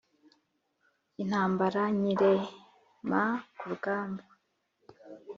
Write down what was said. Intambara nyirema ku rugamba